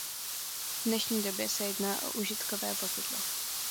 V dnešní době se jedná o užitkové vozidlo.